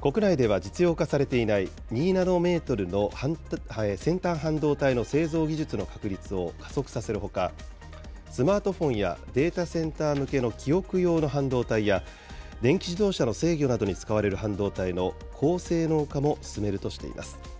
国内では実用化されていない２ナノメートルの先端半導体の製造技術の確立を加速させるほか、スマートフォンやデータセンター向けの記憶用の半導体や、電気自動車の制御などに使われる半導体の高性能化も進めるとしています。